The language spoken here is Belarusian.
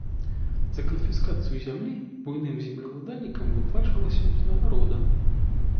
За канфіскацыю зямлі буйным землеўладальнікам выплачвалася ўзнагарода.